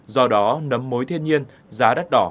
do đó nấm mối thiên nhiên giá đắt đỏ